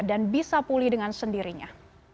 dan bisa pulih dengan sendirinya